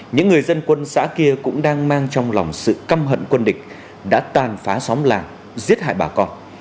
những người dân quân xã kia cũng đang mang trong lòng sự căm hận quân địch đã tàn phá xóm làng giết hại bà con